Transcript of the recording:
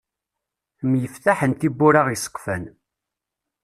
Myeftaḥen tibbura iseqfan.